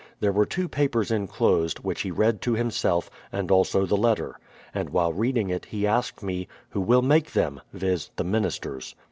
There were two papers enclosed, which he read to himself, and also the letter; and while reading it he asked me: "Who will make them?" (viz., the ministers).